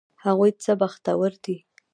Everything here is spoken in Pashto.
هغوی څه بختور دي!